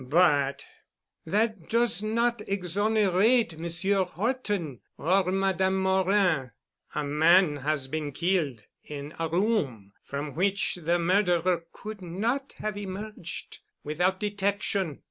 But that does not exonerate Monsieur Horton or Madame Morin. A man has been killed in a room from which the murderer could not have emerged without detection.